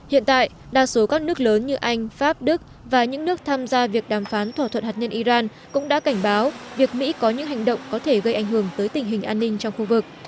hiện tại đa số các nước lớn như anh pháp đức và những nước tham gia việc đàm phán thỏa thuận hạt nhân iran cũng đã cảnh báo việc mỹ có những hành động có thể gây ảnh hưởng tới tình hình an ninh trong khu vực